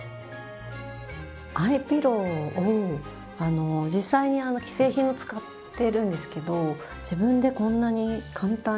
アイピローを実際に既製品を使ってるんですけど自分でこんなに簡単に。